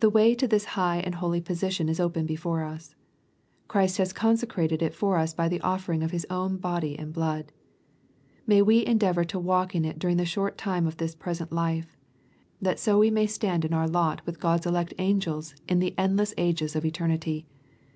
The way to this high and holy position is open before us. Christ has consecrated it for us by the offering of His own body and blood. May we endeavor to walk in it during the short time of this present life, that so we may stand in our lot with God's elect angels in the end less ages of eternity.